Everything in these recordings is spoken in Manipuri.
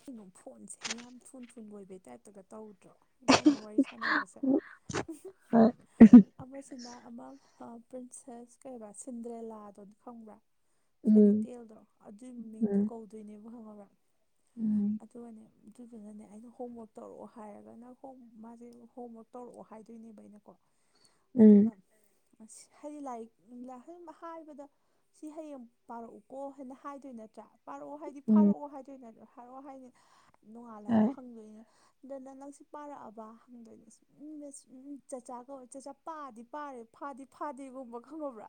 ꯀꯩꯅꯣ ꯐꯣꯟꯁꯦ ꯌꯥꯝ ꯊꯨ ꯊꯨ ꯂꯣꯏꯕꯩ ꯇꯥꯏꯞꯇꯒ ꯇꯧꯔꯨꯗ꯭ꯔꯣ ꯏꯕꯥꯅꯤ ꯋꯥꯔꯤ ꯁꯥꯟꯅꯕꯁꯦ ꯍꯣꯏ ꯑꯃꯁꯤꯅ ꯑꯃ ꯄ꯭ꯔꯤꯟꯁꯦꯁ ꯀꯩꯕ ꯁꯤꯟꯗ꯭ꯔꯦꯂꯥꯗꯣ ꯈꯪꯕ꯭ꯔꯥ ꯎꯝ ꯐꯦꯔꯤꯇꯦꯜꯗꯣ ꯑꯗꯨꯏ ꯃꯃꯤꯡꯗꯨ ꯎꯝ ꯀꯧꯗꯣꯏꯅꯦꯕ ꯍꯪꯉꯒ ꯎꯝ ꯑꯗꯨꯒꯅꯦ ꯑꯗꯨꯗꯨꯅꯅꯦ ꯑꯩꯅ ꯍꯣꯝꯋꯔꯛ ꯇꯧꯔꯛꯑꯣ ꯍꯥꯏꯔꯒꯅ ꯍꯣ ꯃꯥꯁꯦ ꯍꯣꯝꯋꯔꯥꯛ ꯇꯧꯔꯛꯑꯣ ꯍꯥꯏꯗꯣꯏꯅꯦꯕ ꯑꯩꯅꯀꯣ ꯎꯝ ꯑꯗꯨꯒ ꯍꯥꯏꯗꯤ ꯂꯥꯏꯔꯤꯛ ꯍꯥꯏꯕꯗ ꯁꯤ ꯍꯌꯦꯡ ꯄꯥꯔꯛꯎꯀꯣ ꯍꯥꯏꯅ ꯍꯥꯏꯗꯣꯏ ꯅꯠꯇ꯭ꯔꯥ ꯐꯥꯔꯛꯑꯣ ꯍꯥꯏꯗꯤ ꯎꯝ ꯐꯥꯔꯛꯑꯣ ꯍꯥꯏꯗꯣꯏꯅꯦ ꯐꯥꯔꯛꯑꯣ ꯍꯥꯏꯅꯤ ꯅꯣꯡꯉꯥꯜꯂ ꯑꯩꯅ ꯍꯣꯏ ꯍꯪꯗꯣꯏꯅꯦ ꯑꯗꯨ ꯅ ꯅꯪꯁꯤ ꯄꯥꯔꯛꯑꯕ ꯍꯪꯗꯣꯏꯅꯁꯤ ꯎꯝ ꯕꯁ ꯎꯝ ꯆꯥꯛꯆꯥ ꯀꯧꯋꯦ ꯆꯥꯛꯆꯥ ꯄꯥꯗꯤ ꯄꯥꯔꯦ ꯐꯥꯗꯤ ꯐꯥꯗꯦꯒꯨꯝꯕ ꯈꯪꯉꯕ꯭ꯔꯥ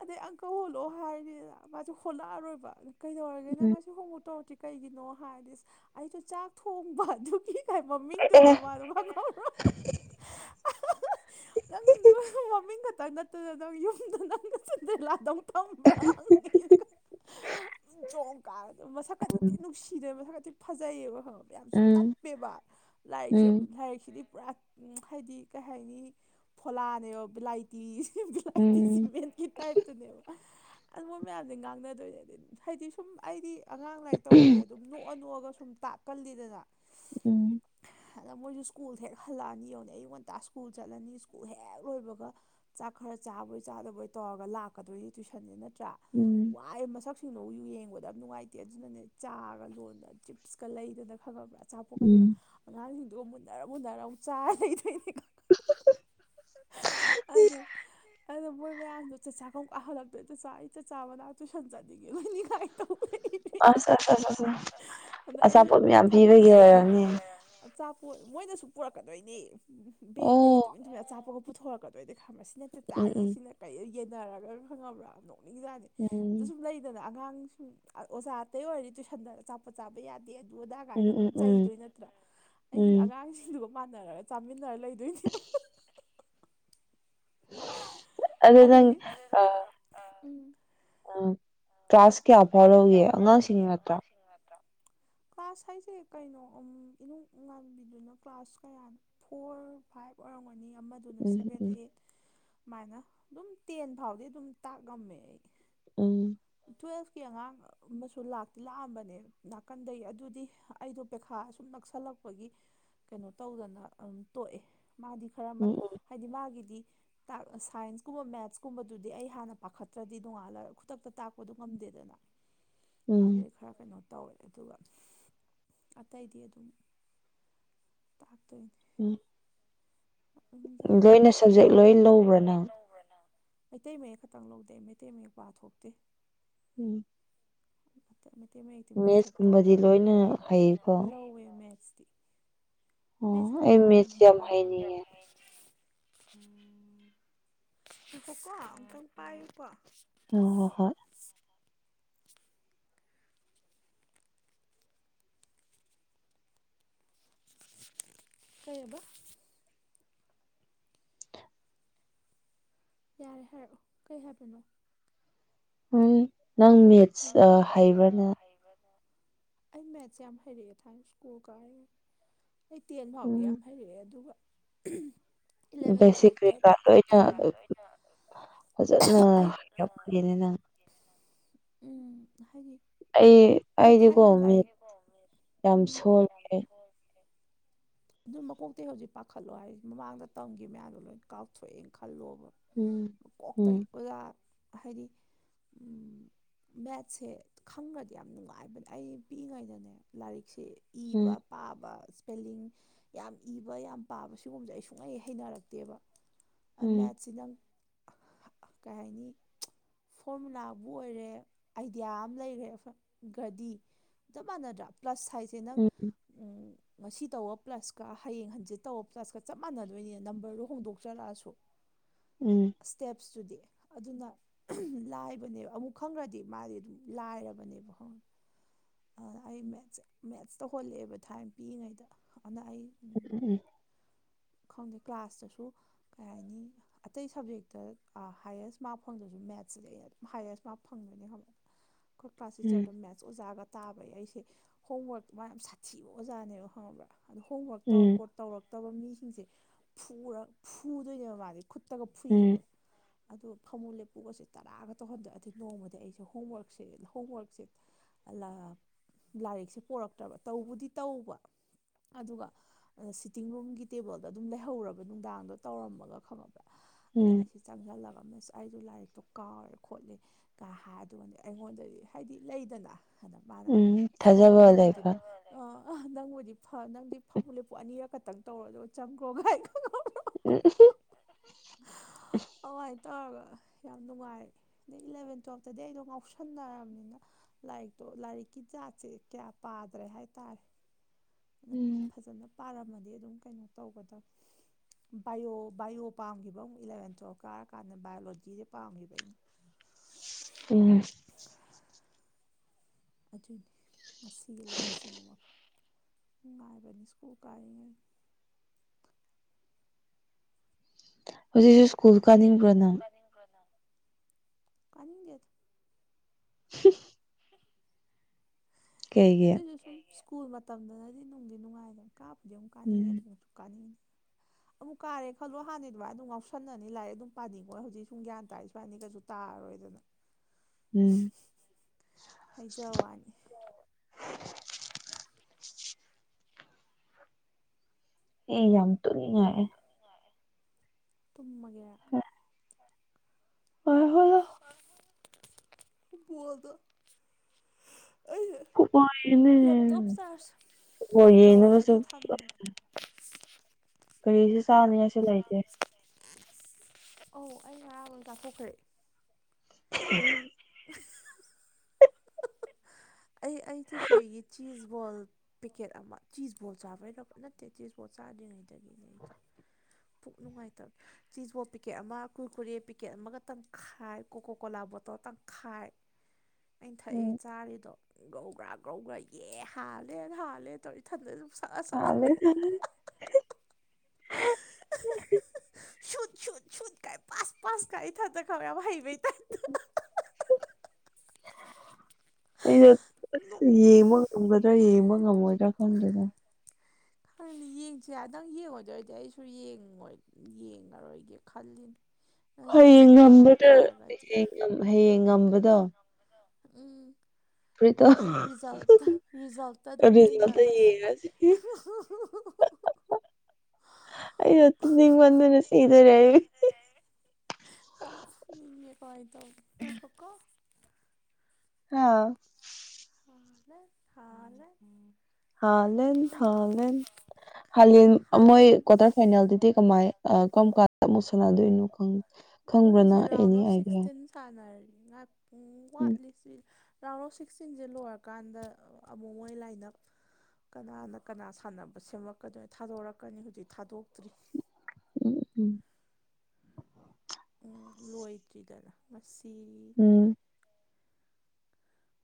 ꯑꯗꯩ ꯑꯪꯀ ꯍꯣꯜꯂꯛꯑꯣ ꯍꯥꯏꯔꯤꯅꯤꯗ ꯃꯥꯁꯨ ꯍꯣꯜꯂꯛꯑꯔꯣꯏꯕ ꯀꯩꯗꯧꯔ ꯎꯝ ꯉꯁꯤ ꯍꯣꯡꯉꯨ ꯇꯧꯔꯗꯤ ꯀꯩꯒꯤꯅꯣ ꯍꯥꯏꯔꯗꯤ ꯑꯩꯁꯨ ꯆꯥꯛ ꯊꯣꯡꯕ ꯑꯗꯨꯒꯤ ꯃꯃꯤꯡꯗꯨꯒ ꯑꯦ ꯃꯥ꯭ꯔꯣ ꯅꯪ ꯃꯃꯤꯡ ꯈꯛꯇꯪ ꯅꯠꯇꯅ ꯅꯪ ꯌꯨꯝꯗ ꯅꯪ ꯂꯥꯗꯧ ꯊꯕ꯭ꯔꯥ ꯆꯣꯡ ꯀꯥꯗꯣ ꯎꯝ ꯃꯁꯛꯀꯛꯇꯤꯗꯤꯤ ꯅꯨꯡꯁꯤꯗꯣꯏꯦ ꯃꯁꯛ ꯈꯛꯇꯤ ꯐꯖꯩꯌꯦꯕ ꯍꯪ ꯌꯥꯝꯁꯨ ꯎꯝ ꯇꯞꯄꯦꯕ ꯂꯥꯏꯔꯤꯛꯁꯦ ꯎꯝ ꯂꯥꯏꯔꯤꯛꯁꯤꯗꯤ ꯄꯨꯔꯥ ꯍꯥꯏꯗꯤ ꯀꯩ ꯍꯥꯏꯅꯤ ꯊꯣꯂꯥꯅꯦ ꯕꯤꯂꯥꯏꯇꯤꯁꯦ ꯎꯝ ꯃꯦꯟꯀꯤ ꯇꯥꯏꯞꯇꯨꯅꯦꯕ ꯑꯗꯨꯝꯕ ꯃꯌꯥꯝꯁꯦ ꯉꯥꯡꯅꯗꯣꯏꯅꯦꯗꯤ ꯍꯥꯏꯗꯤ ꯁꯨꯝ ꯑꯩꯗꯤ ꯑꯉꯥꯡ ꯂꯥꯏꯔꯤꯛ ꯇꯧꯕꯁꯦ ꯑꯗꯨꯝ ꯅꯣꯛꯑ ꯅꯣꯛꯑꯒ ꯁꯨꯝ ꯇꯥꯛꯀꯜꯂꯤꯗꯅ ꯎꯝ ꯑꯗ ꯃꯣꯏꯁꯨ ꯁ꯭ꯀꯨꯜꯗ ꯍꯦꯛ ꯍꯜꯂꯛꯑꯅꯤ ꯌꯦꯡꯧꯅꯤ ꯑꯌꯨꯛ ꯉꯇꯥ ꯁ꯭ꯀꯨꯜ ꯆꯠꯂꯅꯤ ꯁ꯭ꯀꯨꯜ ꯍꯦꯛ ꯂꯣꯏꯕꯒ ꯆꯥꯛ ꯈꯔ ꯆꯥꯕꯣꯏ ꯆꯥꯗꯕꯣꯏ ꯇꯧꯔꯒ ꯂꯥꯛꯀꯗꯣꯏꯅꯤ ꯇꯨꯏꯁꯟꯗꯤꯦ ꯅꯠꯇ꯭ꯔꯥ ꯎꯝ ꯋꯥꯏ ꯃꯁꯛꯁꯤꯡꯅꯣ ꯎꯏꯨ ꯌꯦꯡꯕꯗ ꯌꯥꯝ ꯅꯨꯡꯉꯥꯏꯇꯦ ꯑꯗꯨꯅꯅꯦ ꯆꯥꯒ ꯂꯣꯟꯗ ꯆꯤꯞꯁꯀ ꯂꯩꯗꯅ ꯈꯪꯉꯕ꯭ꯔꯥ ꯑꯆꯥꯄꯣꯠꯀꯁꯤꯅ ꯎꯝ ꯑꯉꯥꯡꯁꯤꯡꯗꯣ ꯃꯨꯟꯅꯔ ꯃꯨꯟꯅꯔ ꯆꯥꯔꯩꯊꯣꯏꯅꯦꯩꯀ ꯑꯗ ꯑꯗꯣ ꯃꯣꯏ ꯃꯌꯥꯝꯗꯣ ꯆꯠ ꯆꯥꯛꯣꯡ ꯀꯥꯍꯜꯂꯛꯇꯣꯏꯗ ꯆ ꯏ ꯆꯠ ꯆꯥꯕ ꯂ ꯇꯨꯏꯁꯟ ꯆꯠꯅꯤꯡꯉꯦ ꯂꯣꯏꯅꯤ ꯀꯥꯏ [unintelligible] ꯑꯖ ꯑꯁ ꯑꯁ ꯑꯁ ꯑꯁ ꯑꯖ ꯑꯖ ꯑꯗꯥ ꯑꯩꯅ ꯑꯆꯥꯄꯣꯠ ꯃꯌꯥꯝ ꯄꯤꯕꯒꯤ [unintelligible] ꯑꯣꯏꯔꯝꯅꯤ [unintelligible] ꯑꯆꯥ ꯄꯣꯠ ꯃꯣꯏꯗꯁꯨ ꯄꯨꯔꯛꯀꯗꯣꯏꯅꯤ ꯕꯦꯠꯇꯒꯤ ꯑꯣ ꯇꯨꯃꯤꯟ ꯇꯨꯃꯤꯟ ꯑꯆꯥꯄꯣꯠꯀ ꯄꯨꯊꯣꯔꯛꯀ [unintelligible] ꯈꯕ ꯁꯤꯅ ꯎꯝ ꯆꯆꯥꯒꯤ ꯎꯝ ꯁꯤꯅ ꯀꯩ ꯌꯦꯟꯅꯔꯒ ꯈꯪꯉꯕ꯭ꯔꯥ ꯅꯣꯛꯅꯤꯡꯖꯥꯅꯤ ꯎꯝ ꯑꯗꯁꯨꯝ ꯂꯩ ꯑꯗꯨꯅ ꯑꯉꯥꯡꯁꯤꯡ ꯑꯣꯖꯥ ꯑꯇꯩ ꯑꯣꯏꯔꯗꯤ ꯇꯨꯏꯁꯟꯗ ꯑꯆꯥꯄꯣꯠ ꯆꯥꯕ ꯌꯥꯗꯦ ꯑꯗꯨ ꯑꯗꯥꯒꯥꯏ ꯒꯥ ꯑꯗꯨꯝ ꯎꯝ ꯎꯝ ꯆꯩꯗꯣꯏ ꯅꯠꯇ꯭ꯔꯥ ꯑꯩꯁꯤꯅ ꯎꯝ ꯑꯉꯥꯡꯁꯤꯡꯗꯨꯒ ꯃꯥꯟꯅꯔꯒ ꯆꯥꯃꯤꯟꯅꯔ ꯂꯩꯗꯣꯏꯅꯤ ꯑꯗꯨ ꯅꯪ ꯑꯩꯗꯒꯤ ꯑꯗꯨ ꯅꯪ ꯑꯥ ꯎꯝ ꯀ꯭ꯂꯥꯁ ꯀꯌꯥ ꯐꯥꯎꯂꯧꯒꯦ ꯑꯉꯥꯡꯁꯤꯡ ꯅꯠꯇ꯭ꯔꯥ ꯊꯤꯡ ꯉꯛꯇꯔꯥ ꯀ꯭ꯂꯥꯁ ꯍꯥꯏꯁꯦ ꯀꯩꯅꯣ ꯎꯝ ꯏꯅꯨꯡꯉꯥꯟꯕꯤꯗꯨꯅꯥ ꯀ꯭ꯂꯥꯁ ꯀꯌꯥꯅꯣ ꯐꯣꯔ ꯐꯥꯏꯚ ꯑꯣꯏꯔꯝꯒꯅꯤ ꯑꯃ ꯑꯗꯨꯅ ꯎꯝ ꯁꯚꯦꯟ ꯎꯝ ꯑꯩꯠ ꯃꯥꯏꯅ ꯑꯗꯨꯝ ꯇꯦꯟ ꯐꯥꯎꯗꯤ ꯑꯗꯨꯝ ꯇꯥꯛꯉꯝꯃꯦ ꯑꯩ ꯎꯝ ꯇꯨꯋꯦꯜꯐꯀꯤ ꯑꯉꯥꯡ ꯑꯃꯁꯨ ꯂꯥꯛꯇꯤ ꯂꯥꯛꯑꯝꯕꯅꯦ ꯅꯥꯀꯟꯗꯩ ꯑꯗꯨꯗꯤ ꯑꯩꯗꯣ ꯄꯩꯈꯥ ꯑꯁꯨꯝ ꯅꯛꯁꯜꯂꯛꯄꯒꯤ ꯀꯩꯅꯣ ꯇꯧꯗꯅ ꯑꯎꯝ ꯇꯣꯛꯑꯦ ꯃꯥꯗꯤ ꯈꯔ ꯎꯝ ꯍꯥꯏꯗꯤ ꯃꯥꯒꯤꯗꯤ ꯇꯥꯛ ꯁꯥꯏꯟꯁꯀꯨꯝꯕ ꯃꯦꯠꯁ ꯀꯨꯝꯕꯗꯨꯗꯤ ꯑꯩ ꯍꯥꯟꯅ ꯄꯥꯈꯠꯇ꯭ꯔꯗꯤ ꯅꯣꯡꯉꯥꯜꯂ ꯈꯨꯗꯛꯇ ꯇꯥꯛꯄꯗꯨ ꯉꯝꯗꯦꯗꯅꯥ ꯑ ꯎꯝ [unintelligible] ꯈꯔ ꯀꯩꯅꯣ ꯇꯧꯋꯦ ꯑꯗꯨꯒ ꯑꯇꯩꯗꯤ ꯑꯗꯨꯝ ꯇꯥꯛꯇꯣꯏꯅꯤ ꯎꯝ ꯎ ꯂꯣꯏꯅ ꯁꯕꯖꯦꯛ ꯂꯣꯏ ꯂꯣꯏꯅ ꯁꯕꯖꯦꯛ ꯂꯧꯕ꯭ꯔꯥ ꯂꯣꯏ ꯅꯪ ꯂꯧꯕ꯭ꯔꯅꯪ ꯃꯩꯇꯩ ꯃꯌꯦꯛ ꯈꯛꯇꯪ ꯂꯧꯗꯦ ꯑꯩ ꯃꯩꯇꯩ ꯃꯌꯦꯛ ꯄꯥꯊꯣꯛꯇꯦ ꯎꯝ ꯃꯩꯇꯩ ꯃꯌꯦꯛꯇꯤ ꯃꯦꯠꯁꯀꯨꯝꯕꯗꯤ ꯃꯣꯏꯊꯣꯛꯇꯧꯔꯣ ꯂꯣꯏꯅ ꯍꯩꯀꯣ ꯂꯧꯋꯦ ꯃꯦꯠꯁꯇꯤ ꯑꯣ ꯃꯦꯠꯁꯁꯦ ꯌꯝ ꯑꯩ ꯂꯥꯏꯕ [unintelligible] ꯃꯦꯠꯁ ꯌꯥꯝ ꯍꯩꯅꯤꯡꯉꯦ ꯎꯝ ꯉꯥꯏꯈꯣꯀꯣ ꯑꯝꯇꯪ ꯄꯥꯏꯌꯨꯀꯣ ꯎꯝ ꯍꯣꯏ ꯀꯩꯌꯦꯕꯥ ꯌꯥꯔꯦ ꯍꯥꯏꯔꯛꯑꯣ ꯀꯩ ꯍꯥꯏꯕꯅꯣ ꯎꯝ ꯅꯪ ꯃꯦꯠꯁ ꯍꯩꯕ꯭ꯔꯅꯥ ꯑꯩ ꯃꯦꯠꯁ ꯌꯥꯝ ꯍꯩꯔꯛꯑꯦ ꯊꯥꯏꯅ ꯁ꯭ꯀꯨꯜ ꯀꯥꯔꯔꯤꯉꯩ ꯑꯩ ꯇꯦꯟ ꯐꯥꯎꯗꯤ ꯎꯝ ꯌꯥꯝ ꯍꯩꯔꯛꯑꯦ ꯑꯗꯨꯒ ꯏꯂꯚꯦꯟ ꯕꯦꯁꯤꯛ ꯀ꯭ꯔꯤ ꯇꯨꯋꯦꯜꯐꯇ ꯀꯥ ꯂꯣꯏꯅ ꯇꯟ ꯑ ꯐꯖꯅ ꯑꯩ ꯍꯩꯔꯛꯄꯅꯤꯅꯦ ꯅꯪ ꯎꯝ ꯍꯩ ꯑꯩ ꯑꯩꯗꯤꯀꯣ ꯃꯤꯠ ꯌꯥꯝ ꯎꯝ ꯁꯣꯜꯂꯤ ꯑꯩ ꯑꯗꯨ ꯃꯀꯣꯛꯇꯩ ꯍꯧꯖꯤꯛ ꯄꯥꯈꯠꯂꯣ ꯍꯥꯏ ꯃꯃꯥꯡꯗ ꯇꯝꯒꯤ ꯃꯌꯥꯝꯗꯣ ꯂꯣꯏ ꯀꯥꯎꯊꯣꯛꯑꯦꯅ ꯈꯜꯂꯣꯕ ꯎꯝ ꯎꯝ ꯃꯀꯣꯛꯇꯒꯤ ꯑꯣꯖꯥ ꯍꯥꯏꯗꯤ ꯃꯦꯠꯁꯦ ꯈꯪꯒꯔ꯭ꯗꯤ ꯌꯥꯝ ꯅꯨꯡꯉꯥꯏꯕꯅꯦ ꯑꯩ ꯄꯤꯛꯏꯉꯩꯗꯅꯦ ꯂꯥꯏꯔꯤꯛꯁꯤ ꯎꯝ ꯏꯕ ꯄꯥꯕ ꯏꯁꯄꯦꯂꯤꯡ ꯌꯥꯝ ꯏꯕ ꯌꯥꯝ ꯄꯥꯕ ꯁꯤꯒꯨꯝꯕꯁꯦ ꯑꯩ ꯁꯨꯡꯍꯩ ꯍꯩꯅꯔꯛꯇꯦꯕꯥ ꯎꯝ ꯃꯦꯠꯁꯤ ꯅꯪ ꯀꯩ ꯍꯥꯏꯅꯤ ꯐꯣꯔꯃꯨꯂꯥꯕꯨ ꯑꯣꯏꯔꯦ ꯑꯥꯏꯗꯤꯌꯥ ꯑꯃ ꯂꯩꯔꯦ ꯒꯗꯤ ꯆꯞ ꯃꯥꯟꯅꯗ꯭ꯔꯥ ꯄ꯭ꯂꯁ ꯉꯥꯁꯥꯏꯗꯤ ꯎꯝ ꯉꯁꯤ ꯇꯧꯕ ꯄ꯭ꯂꯁꯀ ꯍꯌꯦꯡ ꯍꯟꯖꯤꯠ ꯇꯧꯕ ꯄ꯭ꯂꯁꯀ ꯆꯞ ꯃꯥꯟꯅꯗꯣꯏꯅꯤꯅ ꯅꯝꯕꯔꯗꯨ ꯍꯣꯡꯇꯣꯛ ꯆꯔꯛ ꯑꯁꯨ ꯎꯝ ꯁ꯭ꯇꯦꯞꯁ ꯇꯨꯗꯤ ꯑꯗꯨꯅ ꯂꯥꯏꯕꯅꯦ ꯑꯃꯨꯛ ꯈꯪꯒꯔꯗꯤ ꯃꯥꯗꯤ ꯑꯗꯨꯝ ꯂꯥꯏꯔꯕꯅꯦꯕ ꯑꯗꯨꯗ ꯑꯩ ꯃꯦꯠꯁꯦ ꯃꯦꯠꯁ ꯇꯧ ꯍꯣꯜꯂꯛꯑꯦꯕ ꯊꯥꯏꯅ ꯄꯤꯛꯉꯩꯗ ꯑꯗꯨꯅ ꯑꯩ ꯎꯝ ꯎꯟ ꯈꯪꯗꯦ ꯀ꯭ꯂꯥꯁꯇꯁꯨ ꯀꯩ ꯍꯥꯏꯅꯤ ꯑꯇꯩ ꯁꯕꯖꯦꯛꯇ ꯍꯥꯏꯌꯦꯁ ꯃꯥꯔꯛ ꯐꯪꯗ꯭ꯔꯁꯨ ꯃꯦꯠꯁ ꯁꯤꯗꯤ ꯑꯩꯅ ꯑꯗꯨꯝ ꯍꯥꯏꯌꯦꯁ ꯃꯥꯔꯛ ꯐꯪꯗꯣꯏꯅꯦ ꯍꯥꯏꯕꯣ [inaudible] ꯑꯩꯈꯣꯏ ꯀ꯭ꯂꯥꯁ ꯎꯝ ꯇꯤꯆꯔꯗꯣ ꯃꯦꯠꯁ ꯑꯣꯖꯥꯒ ꯇꯥꯕ ꯑꯩꯁꯦ ꯍꯣꯝꯋꯔꯛ ꯃꯥ ꯌꯥꯝ ꯁꯥꯊꯤꯕ ꯑꯣꯖꯥꯅꯦꯕ ꯈꯪꯉꯕ꯭ꯔꯥ ꯑꯗꯣ ꯍꯣꯝꯋꯔꯛ ꯎꯝ ꯇꯧꯔꯄꯣꯠ ꯇꯧꯔꯛꯇꯕꯥ ꯃꯤꯁꯤꯡꯁꯦ ꯐꯨꯔꯥ ꯐꯨꯗꯣꯏꯅꯦꯕ ꯃꯥꯗꯤ ꯈꯨꯠꯇꯒ ꯎꯝ ꯐꯨꯏꯕ ꯑꯗꯨꯗ ꯐꯃꯨꯡꯜ ꯂꯦꯞꯄꯨꯒꯁꯦ ꯇꯔꯥꯒ ꯇꯧꯍꯟꯗꯑꯗꯤ ꯅꯣꯡꯃꯗꯤ ꯑꯩꯁꯦ ꯍꯣꯝꯋꯔꯛꯁꯦ ꯍꯣꯝꯋꯔꯛꯁꯦ ꯂꯥꯏꯔꯤꯛꯁꯦ ꯄꯣꯔꯛꯇ꯭ꯔꯕ ꯇꯧꯕꯗꯤ ꯇꯧꯕ ꯑꯗꯨꯒ ꯁꯤꯇꯤꯡ ꯔꯨꯝꯒꯤ ꯇꯦꯕꯜꯗꯣ ꯑꯗꯨꯝ ꯂꯩꯍꯧꯔꯕ ꯅꯨꯡꯗꯥꯡꯗꯣ ꯇꯧꯔꯝꯃꯒ ꯈꯪꯉꯕꯅꯤ ꯑꯗ ꯎꯝ ꯑꯩꯁꯦ ꯆꯪꯁꯤꯜꯂꯒ ꯑꯃ ꯑꯩꯗꯣ ꯂꯥꯏꯔꯤꯛꯇꯣ ꯀꯥꯎꯔꯦ ꯈꯣꯠꯂꯦ ꯀ ꯍꯥꯏꯗꯣꯟꯗꯤ ꯑꯩꯉꯣꯟꯗꯗꯤ ꯍꯥꯏꯗꯤ ꯂꯩꯗꯅ ꯑꯗ ꯃꯥꯅ ꯎꯝ ꯍꯣ ꯍꯣꯏ ꯊꯥꯖꯕ ꯅꯪꯕꯨꯗꯤ ꯂꯩꯕ ꯑ ꯑꯥ ꯅꯪꯕꯨꯗꯤ ꯅꯪꯗꯤ ꯐꯃꯨ ꯂꯦꯞꯄꯨ ꯑꯅꯤꯔꯛ ꯈꯛꯇꯪ ꯇꯧꯔꯣ ꯑꯗꯨꯒ ꯆꯪꯈ꯭ꯔꯣꯒꯥꯏ [unintelligible] ꯑꯗꯨꯥꯏꯇꯥꯔꯒ ꯌꯥꯝ ꯅꯨꯡꯉꯥꯏ ꯑꯗꯩ ꯏꯂꯚꯦꯟ ꯇꯨꯋꯦꯜꯞꯇꯗꯤ ꯑꯩꯗꯣ ꯉꯥꯎꯁꯟꯅꯔꯕꯅꯤꯅ ꯂꯥꯏꯔꯤꯛꯇꯣ ꯂꯥꯏꯔꯤꯛꯀꯤ ꯖꯥꯠꯁꯦ ꯀꯌꯥ ꯄꯥꯗ꯭ꯔꯦ ꯍꯥꯏꯇꯥꯔꯦ ꯑꯗꯨ ꯎꯝ ꯐꯖꯅ ꯄꯥꯔꯝꯃꯗꯤ ꯑꯗꯨꯝ ꯀꯩꯅꯣ ꯇꯧꯒꯗꯕ ꯕꯥꯏꯑꯣ ꯕꯥꯏꯑꯣ ꯄꯥꯝꯈꯤꯕ ꯑꯃꯨꯛ ꯏꯂꯚꯦꯟ ꯇꯨꯋꯦꯜꯞ ꯀꯥꯔꯀꯥꯟ ꯏꯑꯣꯂꯣꯖꯤꯗ ꯄꯥꯝꯈꯤꯕ ꯑꯩꯅ ꯎꯝ ꯑꯗꯨꯅꯤ ꯃꯁꯤꯒꯤ ꯂꯧꯎ ꯁꯤꯡꯎꯕ ꯅꯨꯡꯉꯥꯏꯕꯅꯤ ꯁ꯭ꯀꯨꯜ ꯀꯥꯏꯔꯤꯉꯩ ꯍꯧꯖꯤꯛꯁꯨ ꯁ꯭ꯀꯨꯜ ꯀꯥꯅꯤꯡꯕ꯭ꯔꯅ ꯅ ꯑꯒꯦ [unintelligible] ꯀꯩꯒꯤ ꯅꯏꯁꯨ ꯁꯨꯝ ꯁ꯭ꯀꯨꯜ ꯃꯇꯝꯗꯅꯗꯤ ꯅꯨꯡꯗꯤ ꯅꯨꯡꯉꯥꯏꯗꯕ ꯀꯥꯞꯄꯨꯗꯤ ꯑꯃꯨꯛ ꯀꯥꯟꯅꯩꯉ ꯎꯝ ꯑꯗꯨꯃꯁꯨ ꯀꯥꯟꯅꯤꯡꯩꯩꯅ ꯑꯃꯨꯛ ꯀꯥꯔꯦꯜꯂꯣ ꯍꯥꯟꯅ ꯑꯗꯨꯃꯥꯏ ꯑꯗꯨꯝ ꯉꯥꯎꯁꯟꯅꯅꯤ ꯂꯥꯏꯑ ꯑꯗꯨꯝ ꯄꯥꯅꯤꯡꯈꯣꯣꯏ ꯍꯧꯖꯤꯛ ꯁꯨꯝ ꯒ꯭ꯌꯥꯟ ꯇꯥꯔ ꯁꯨꯃꯥꯏꯅꯒꯁꯨ ꯇꯥꯔꯣꯏꯗꯅ ꯎꯝ ꯍꯥꯏꯖ ꯋꯥꯅꯤ ꯑꯦ ꯌꯥꯝ ꯇꯅꯤꯉ ꯇꯨꯝꯃꯒꯦꯔ ꯑꯣ ꯍꯣꯏ ꯃꯣꯗꯣ ꯑꯩꯁ ꯈꯨꯄꯥꯏꯅꯦ ꯂꯦꯞꯇꯣꯞ ꯆꯥꯔꯖ ꯕꯣꯜ ꯌꯦꯡꯅꯕꯁꯨ ꯇꯧꯔꯒꯗꯤ ꯊꯝꯗ ꯀꯔꯤꯁꯤ ꯍꯥ ꯆꯥꯅꯤꯉꯁꯨ ꯂꯩꯇꯦ ꯑꯧ ꯑꯩ ꯉꯔꯥ ꯂꯣꯝ ꯆꯥꯊꯣꯛꯈ꯭ꯔꯦ ꯎꯝ [inaudible] ꯑꯩ ꯑꯩ ꯇꯆ ꯌ ꯆꯤꯖ ꯋꯥꯣ ꯄꯦꯀꯦꯠ ꯑꯃ ꯆꯤꯁꯕꯣꯠ ꯆꯥꯕꯩꯔꯕ ꯅꯠꯇꯦ ꯆꯤꯁꯕꯣꯠ ꯆꯥꯗ꯭ꯔꯤꯉꯩꯗꯒꯤꯅꯦ ꯑꯩꯗꯣ ꯄꯨꯛ ꯅꯨꯡꯉꯥꯏꯇꯕ ꯆꯖꯕꯣꯠ ꯄꯤꯛꯀꯦꯠ ꯑꯃ ꯀꯨꯨꯔꯀꯨꯔꯤ ꯄꯤꯀꯦꯠ ꯑꯃꯒ ꯇꯪꯈꯥꯏ ꯀꯣꯀꯣ ꯀꯣꯂꯥ ꯕꯣꯇꯜ ꯇꯪꯈꯥꯏ ꯑꯩꯅ ꯊꯛꯏ ꯎꯝ ꯆꯥꯔꯤꯗꯣ ꯒ꯭ꯔꯧ ꯒ꯭ꯔꯥ ꯒ꯭ꯔꯧ ꯌꯦ ꯍꯥꯜꯂꯦ ꯍꯥꯜꯂꯦ ꯇꯧꯔꯤ ꯊꯥꯟꯗ ꯁꯥꯛꯑ ꯁꯥꯛꯑꯒ ꯇꯜꯂꯦꯗ ꯨꯆꯨꯠ ꯆꯨꯠ ꯀꯥꯏ ꯄꯥꯁ ꯄꯥꯁ ꯀꯥꯏ ꯏꯊꯟꯇ ꯈꯔ ꯌꯥꯝ ꯍꯩꯕꯒꯤ ꯇꯥꯏꯇ꯫ ꯅꯣꯛ ꯑꯩ ꯌꯦꯡꯕ ꯉꯝꯒꯗ꯭ꯔꯥ ꯌꯦꯡꯕ ꯉꯝꯃꯣꯏꯗ꯭ꯔꯥ ꯈꯪꯗꯦꯗ ꯌꯦꯡꯁꯦ ꯅꯪ ꯌꯦꯡꯉꯗꯣꯏꯔꯗꯤ ꯑꯩꯁꯨ ꯌꯦꯡꯉꯔꯣꯏꯒꯦ ꯈꯜꯂꯤꯅꯤ [inaudible] ꯍꯌꯦꯡ ꯌꯦꯡꯒꯦ ꯍꯥꯏ ꯉꯝꯕꯗ ꯇꯥꯔꯒꯗꯤ ꯍꯌꯦꯡ ꯉꯝꯕꯗꯣ ꯎꯝ ꯐꯨꯔꯤꯠꯇꯣ ꯍꯣꯏ ꯔꯤꯖꯜꯇ ꯔꯤꯖꯜꯇ ꯑꯗꯨꯝ ꯔꯤꯖꯜꯇꯣ ꯌꯦꯡꯅꯔꯁꯤ ꯌꯦꯡꯉꯁꯤ [unintelligible] [unintelligible] ꯑꯩꯅ ꯇꯨꯝꯅꯤꯡꯃꯟꯗꯅ ꯁꯤꯗꯨꯔꯦ ꯑꯩ ꯌꯥꯝ ꯐꯨꯅꯤꯡꯉ‌ꯦ ꯀꯃꯥꯏ ꯇꯧꯅꯤ ꯉꯥꯏꯈꫭꯀꫭ ꯑꯥ [unintelligible] ꯍꯂꯦꯟ ꯍꯂꯦꯟ ꯍꯥꯂꯦꯟ ꯃꯣꯏ ꯍꯥꯂꯦꯟ ꯀ꯭ꯋꯥꯇꯔ ꯐꯥꯏꯅꯦꯜꯗꯨꯗꯤ ꯀꯃꯥꯏ ꯀꯔꯝ ꯀꯥꯟ ꯑꯃꯨꯛ ꯁꯥꯟꯅꯗꯣꯏꯅꯣ ꯈꯪꯗꯦ ꯃꯣꯏ ꯈꯪꯕ꯭ꯔꯅ ꯍꯧꯖꯤꯛ round any of idea sixteen ꯁꯥꯟꯅꯔꯤ ꯉ ꯎꯝ ꯋꯥꯠꯂꯤꯁꯤ ꯔꯥꯎꯟ ꯑꯣꯐ ꯁꯤꯁ ꯁꯤꯁꯤꯡꯁꯦ ꯂꯣꯏꯔꯀꯥꯟꯗ ꯑꯃꯨꯛ ꯃꯣꯏ ꯂꯥꯏꯅ ꯀꯅꯥꯅ ꯀꯅꯥ ꯁꯥꯟꯅꯕ ꯁꯦꯝꯃꯛꯀꯗꯣꯏꯅꯤ ꯊꯥꯗꯣꯔꯛꯀꯅꯤ ꯍꯧꯖꯤꯛ ꯊꯥꯗꯣꯛꯇ꯭ꯔꯤ ꯎꯝ ꯎꯝ ꯎꯝ ꯂꯣꯏꯗ꯭ꯔꯤꯗꯅ ꯉꯁꯤ ꯎꯝ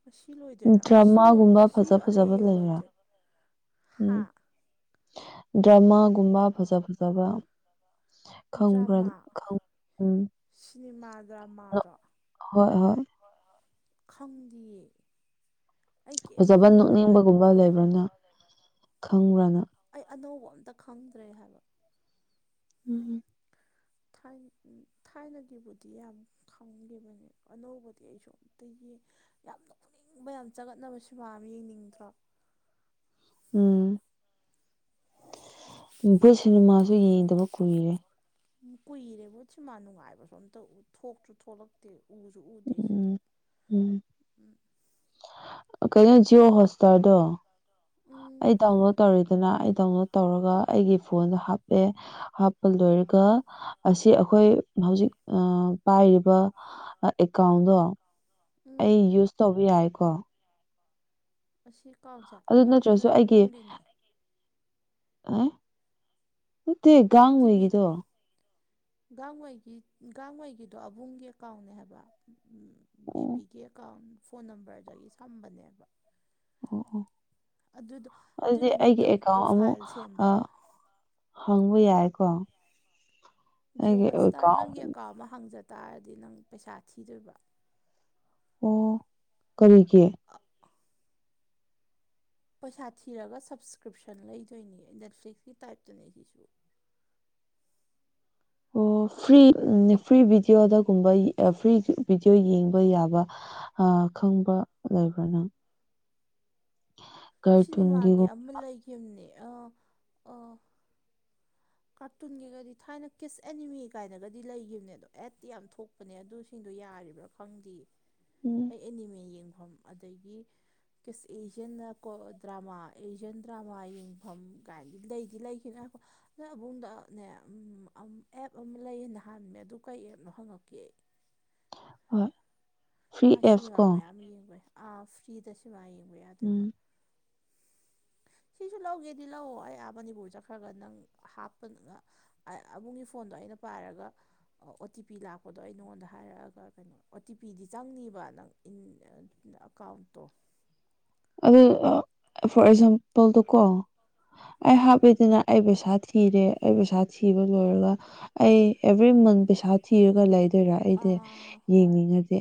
ꯉꯁꯤ ꯂꯣꯏ ꯎꯝ ꯗ꯭ꯔꯃꯥꯒꯨꯝꯕ ꯐꯖ ꯐꯖꯕ ꯂꯩꯕ꯭ꯔꯥ ꯂꯣꯏꯗꯣꯏ ꯎꯝ ꯍꯥ ꯗ꯭ꯔꯃꯥꯒꯨꯝꯕ ꯐꯖ ꯐꯖꯕ ꯈꯪꯕ꯭ꯔꯥ ꯗ꯭ꯔꯃꯥ ꯈꯪ ꯎꯝ ꯁꯤꯅꯦꯃꯥ ꯅꯣꯛ ꯗ꯭ꯔꯃꯥꯗꯣ ꯍꯣꯏ ꯍꯣꯏ ꯈꯪꯗꯤꯌꯦ ꯑꯩ ꯀꯩꯝ ꯐꯖꯕ ꯌꯦꯡ ꯅꯪ ꯅꯣꯛꯅꯤꯡꯕꯒꯨꯝꯕ ꯂꯩꯕ꯭ꯔꯅ ꯈꯪꯕ꯭ꯔꯅ ꯑꯩ ꯑꯅꯧꯕ ꯑꯝꯇ ꯈꯪꯗ꯭ꯔꯦ ꯍꯥꯏꯕ ꯎꯝ ꯎꯝ ꯊꯥꯏꯅ ꯊꯥꯏꯅꯒꯤꯕꯨꯗꯤ ꯌꯥꯝ ꯈꯪꯗꯦꯕꯅꯦꯕ ꯑꯅꯧꯕꯗꯤ ꯑꯩꯁꯨ ꯑꯝꯇ ꯌꯦꯡ ꯌꯥꯝ ꯅꯣꯛꯅꯤꯡꯕ ꯌꯥꯝ ꯆꯒꯠꯅꯕ ꯁꯤꯃꯥ ꯑꯃ ꯌꯦꯡꯅꯤꯡꯗ꯭ꯔꯣ ꯎꯝ ꯕꯣꯏ ꯁꯤꯅꯤꯃꯥꯁꯨ ꯌꯦꯡꯗꯕ ꯀꯨꯏꯔꯦ ꯀꯨꯏꯔꯦꯕ ꯁꯃꯥꯟ ꯅꯨꯡꯉꯥꯏꯕꯁꯨ ꯑꯝꯇ ꯊꯣꯛꯁꯨ ꯊꯣꯛꯂꯛ ꯇꯦ ꯎꯁꯨ ꯎꯗꯦꯁꯤꯗꯤ ꯎꯝ ꯎꯝ ꯎꯝ ꯀꯩꯅꯣ ꯖꯤꯑꯣ ꯍꯣꯁꯇꯥꯔꯗꯣ ꯎꯝ ꯑꯩ ꯗꯥꯎꯟꯂꯣꯗ ꯇꯧꯔꯤꯗꯅ ꯑꯩ ꯗꯥꯎꯟꯂꯣꯗ ꯇꯧꯔꯒ ꯑꯩꯒꯤ ꯐꯣꯟꯗ ꯍꯥꯞꯄꯦ ꯍꯥꯞꯄ ꯂꯣꯏꯔꯒ ꯑꯁꯤ ꯑꯩꯈꯣꯏ ꯍꯧꯖꯤꯛ ꯑ ꯄꯥꯏꯔꯤꯕ ꯑꯦꯀꯥꯎꯟꯗꯣ ꯎꯝ ꯑꯩ ꯌꯨꯁ ꯇꯧꯕ ꯌꯥꯏꯀꯣ ꯑꯁꯤ ꯀꯥꯎꯟꯁꯦ ꯑꯕꯨꯡ ꯅꯣꯏ ꯑꯕꯨꯡꯒꯤꯅꯦ ꯑ ꯅꯠꯇꯦ ꯒ ꯊꯤꯇꯤꯚꯤꯠ ꯒꯥꯡꯉꯩꯒꯤ ꯒꯥꯡꯉꯩꯒꯤꯗꯣ ꯑꯕꯨꯡꯒꯤ ꯑꯀꯥꯎꯅꯦ ꯍꯥꯏꯕ ꯑꯣ ꯕꯤꯕꯤꯒꯤ ꯑꯦꯀꯥꯎꯟ ꯐꯣꯟ ꯅꯝꯕꯔꯗꯒꯤ ꯁꯝꯕꯅꯦꯕ ꯑꯣ ꯑꯣ ꯑꯗꯨꯗ ꯑꯗꯨꯏ ꯑꯗꯨꯗꯤ ꯑꯩꯒꯤ ꯃꯅꯨꯡꯗ ꯑꯃꯨꯛ ꯑꯦꯀꯥꯎꯟ ꯄ꯭ꯔꯣꯐꯥꯏꯜ ꯑ ꯁꯦꯝꯕꯅꯦ ꯍꯪꯕ ꯌꯥꯏꯀꯣ ꯖꯤꯌꯣ ꯑꯩꯒꯤ ꯍꯣꯠꯁꯇꯥꯔ ꯑꯦꯀꯥꯎꯟ ꯅꯪꯒꯤ ꯑꯦꯀꯥꯎꯟ ꯑꯃ ꯍꯪꯖ ꯇꯥꯔꯗꯤ ꯅꯪ ꯄꯩꯁꯥ ꯊꯤꯗꯣꯏꯕ ꯑꯣ ꯀꯔꯤꯒꯤ ꯑ ꯄꯩꯁꯥ ꯊꯤꯔꯒ ꯁꯞꯁꯀ꯭ꯔꯤꯞꯁꯟ ꯂꯩꯗꯣꯏꯅꯦ ꯅꯦꯠꯐ꯭ꯂꯤꯛꯀꯤ ꯇꯥꯏꯞꯇꯅꯦ ꯁꯤꯁꯨ ꯑꯣ ꯐ꯭ꯔꯤ ꯐ꯭ꯔꯤ ꯚꯤꯗꯤꯑꯣꯗꯒꯨꯝꯕ ꯐ꯭ꯔꯤ ꯚꯤꯗꯤꯑꯣ ꯌꯦꯡꯕ ꯌꯥꯕ ꯑ ꯈꯪꯕ ꯂꯩꯕ꯭ꯔꯣ ꯅꯪ ꯁꯤꯅꯦꯃꯥꯒꯤ ꯀꯥꯔꯇꯨꯟꯒꯤꯒꯨꯝ ꯑꯃ ꯂꯩꯈꯤꯕꯅꯦ ꯑꯥ ꯑꯥ ꯀꯥꯔꯇꯨꯟꯒꯤꯒꯗꯤ ꯊꯥꯏꯅ ꯀꯤꯁ ꯑꯦꯅꯤꯃꯤ ꯀꯥꯏꯅꯒꯗꯤ ꯂꯩꯒꯤꯈꯤꯕꯅꯦ ꯑꯗꯣ ꯑꯦꯠꯇꯤ ꯌꯥꯝ ꯊꯣꯛ ꯆꯄꯅꯦ ꯑꯗꯨꯁꯤꯡꯗꯣ ꯌꯥꯔꯤꯕ꯭ꯔꯥ ꯈꯪꯗꯤꯌꯦ ꯎꯝ ꯑꯩ ꯑꯦꯅꯤꯃꯦ ꯌꯦꯡꯐꯝ ꯑꯗꯒꯤ ꯀꯁ ꯑꯦꯖꯤꯌꯥꯟꯅ ꯀꯣ ꯗ꯭ꯔꯃꯥ ꯑꯦꯖꯤꯌꯟ ꯗ꯭ꯔꯃꯥ ꯌꯦꯡꯐꯝ ꯀꯥꯏꯗꯤ ꯂꯩꯗꯤ ꯂꯩ [unintelligible] ꯅꯣꯏ ꯕꯨꯡꯗꯅꯦ ꯑꯦꯞ ꯑꯃ ꯂꯩꯌꯦꯅ ꯍꯥꯏꯕꯅꯦ ꯑꯗꯨ ꯀꯩ ꯑꯦꯞꯅꯣ ꯍꯪꯉꯛꯀꯦ ꯑꯩ ꯍꯣꯏ ꯐ꯭ꯔꯤ ꯃꯥ ꯑꯦꯞꯁ ꯁꯤꯅꯦꯃꯥ ꯀꯣ ꯃꯌꯥꯝ ꯌꯦꯡꯕꯅꯦ ꯑꯥ ꯐ꯭ꯔꯤꯗ ꯁꯤꯃꯥ ꯌꯦꯡꯕ ꯎꯝ ꯌꯥꯗꯣꯏꯕ ꯁꯤꯁꯨ ꯂꯧꯒꯦꯗꯤ ꯂꯧꯑꯣ ꯑꯩꯥ ꯑ ꯃꯅꯤꯄꯨꯔ ꯆꯠꯈ꯭ꯔꯒ ꯅꯪ ꯍꯥꯞꯄ ꯑꯕꯨꯡꯒꯤ ꯐꯣꯟꯗꯣ ꯑꯩꯅ ꯄꯥꯏꯔꯒ ꯑꯣ ꯑꯣ ꯇꯤ ꯄꯤ ꯂꯥꯛꯄꯗꯣ ꯑꯩ ꯅꯉꯣꯟꯗ ꯍꯥꯏꯔꯛꯑꯒ ꯀꯩꯅꯣ ꯑꯣ ꯇꯤ ꯄꯤꯗꯤ ꯆꯪꯅꯤꯕ ꯅꯪ ꯑꯦꯀꯥꯎꯟꯇꯣ ꯑꯗꯨ ꯐꯣꯔ ꯑꯦꯛꯖꯥꯝꯄꯜꯗꯀꯣ ꯑꯩ ꯎꯝ ꯍꯥꯞꯄꯦꯗꯅ ꯑꯩ ꯄꯩꯁꯥ ꯊꯤꯔꯦ ꯑꯩ ꯄꯩꯁꯥ ꯊꯤꯕ ꯂꯣꯏꯔꯒ ꯑꯩ ꯑꯦꯚ꯭ꯔꯤ ꯃꯟ ꯄꯩꯁꯥ ꯊꯤꯔꯒ ꯂꯩ ꯗꯣꯏꯔꯥ ꯑꯩꯗꯤ ꯑꯥ ꯍꯣꯏ ꯌꯦꯡꯅꯤꯡꯉꯗꯤ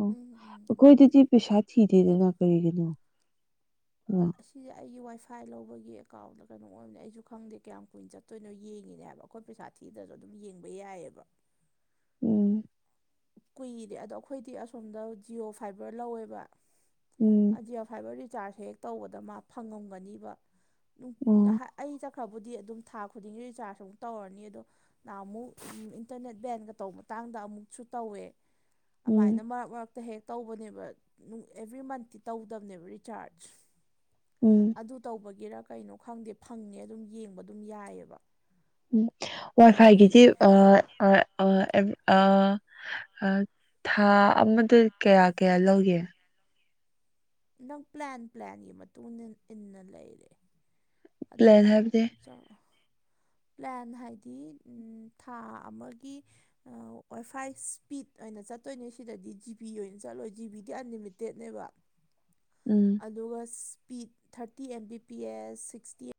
ꯎꯝ ꯎꯝ ꯎꯝ ꯑꯩꯈꯣꯏꯗꯗꯤ ꯄꯩꯁꯥ ꯊꯤꯗꯦꯗꯅ ꯀꯔꯤꯒꯤꯅꯣ ꯎꯝ ꯑꯥꯁ ꯁꯤꯁꯦ ꯑꯩꯒꯤ ꯋꯥꯏ ꯐꯥꯏ ꯂꯧꯕꯒꯤ ꯑꯦꯀꯥꯎꯟꯂ ꯀꯩꯅꯣꯝ ꯑꯣꯏꯕꯅꯦ ꯑꯩꯁꯨ ꯈꯪꯗꯦ ꯀꯌꯥꯝ ꯀꯨꯏꯅ ꯆꯠꯇꯣꯏꯅꯣ ꯌꯦꯡꯉꯤꯅꯦꯍꯥꯏꯕ ꯑꯈꯣꯏ ꯄꯩꯁꯥ ꯊꯤꯗꯁꯨ ꯑꯗꯨꯝ ꯌꯦꯡꯕ ꯌꯥꯏꯌꯦꯕ ꯎꯝ ꯀꯨꯏꯔꯦ ꯑꯗꯣ ꯑꯩꯈꯣꯏꯗꯤ ꯑꯁꯣꯝꯗ ꯖꯤꯑꯣ ꯐꯥꯏꯕꯔ ꯂꯧꯋꯦꯕ ꯎꯝ ꯖꯤꯌꯣ ꯐꯥꯏꯚꯔ ꯔꯤꯆꯥꯔꯖ ꯍꯦꯛ ꯇꯧꯕꯗ ꯃꯥ ꯐꯪꯉꯝꯒꯅꯤꯕ ꯅꯨꯡ ꯎꯝ ꯍꯥꯏ ꯑꯩ ꯆꯠꯈ꯭ꯔꯕꯨꯗꯤ ꯑꯗꯨꯝ ꯊꯥ ꯈꯨꯗꯤꯡꯒꯤ ꯔꯤꯆꯥꯔꯖ ꯑꯃꯨꯛ ꯇꯧꯔꯅꯤ ꯑꯗꯣ ꯅꯍꯥꯃꯨꯛ ꯏꯟꯇꯔꯅꯦꯠ ꯕꯦꯟꯒ ꯇꯧꯕ ꯃꯇꯥꯡꯗ ꯑꯃꯨꯛꯁꯨ ꯇꯧꯋꯦ ꯑꯃꯥꯏꯅ ꯃꯔꯛ ꯃꯔꯛ ꯇ ꯍꯦꯛ ꯇꯧꯕꯅꯦꯕ ꯑꯦꯕ꯭ꯔꯤ ꯃꯟꯇꯤ ꯇꯧꯗꯕꯅꯦꯕ ꯔꯤꯆꯥꯔꯖ ꯎꯝ ꯑꯗꯨ ꯇꯧꯕꯒꯤꯔ ꯀꯩꯅꯣ ꯈꯪꯗꯦ ꯐꯪꯉꯦ ꯑꯗꯨꯝ ꯌꯦꯡꯕ ꯑꯗꯨꯝ ꯌꯥꯏꯌꯦꯕ ꯎꯝ ꯋꯥꯏ ꯐꯥꯏꯒꯤꯗꯤ ꯑ ꯑ ꯑ ꯑ ꯑ ꯊꯥ ꯑꯃꯗ ꯀꯌꯥ-ꯀꯌꯥ ꯂꯧꯒꯦ ꯅꯪ ꯄ꯭ꯂꯥꯟ ꯄ꯭ꯂꯥꯟꯒꯤ ꯃꯇꯨꯡ ꯏꯟ ꯏꯟꯅ ꯂꯩꯔꯦ ꯑꯗꯨꯝ ꯄ꯭ꯂꯦꯟ ꯍꯥꯏꯕꯗꯤ ꯆꯥꯎ ꯄ꯭ꯂꯥꯟ ꯍꯥꯏꯗꯤ ꯊꯥ ꯑꯃꯒꯤ ꯋꯥꯏ ꯐꯥꯏ ꯁ꯭ꯄꯤꯠ ꯑꯣꯏꯅ ꯆꯠꯇꯣꯏꯅꯦ ꯁꯤꯗꯗꯤ ꯖꯤꯕꯤ ꯑꯣꯏꯅ ꯆꯠꯂꯣꯏ ꯖꯤꯕꯤꯗꯤ ꯑꯟꯂꯤꯃꯤꯇꯦꯠꯅꯦꯕ [inaudible] ꯎꯝ ꯑꯗꯨꯒ speed thirty M B P S six